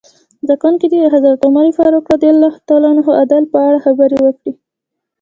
زده کوونکي دې د حضرت عمر فاروق رض عدالت په اړه خبرې وکړي.